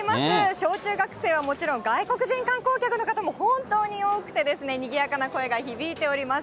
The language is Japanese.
小中学生はもちろん、外国人観光客の方も本当に多くてにぎやかな声が響いております。